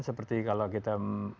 seperti kalau kita